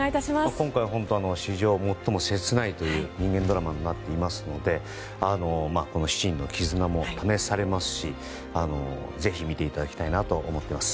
今回、本当に史上最も切ないという人間ドラマになってますのでこの７人の絆も試されますし見ていただきたいと思います。